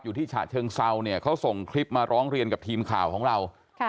ฉะเชิงเซาเนี่ยเขาส่งคลิปมาร้องเรียนกับทีมข่าวของเรา